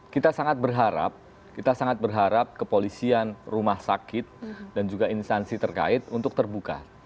kita sangat berharap kita sangat berharap kepolisian rumah sakit dan juga instansi terkait untuk terbuka